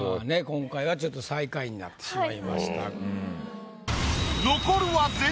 今回はちょっと最下位になってしまいました。